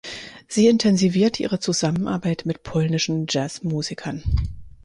Sie intensivierte ihre Zusammenarbeit mit polnischen Jazzmusikern.